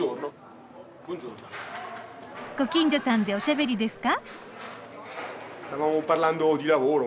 ご近所さんでおしゃべりですか？